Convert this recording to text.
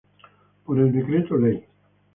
Por el Decreto Ley.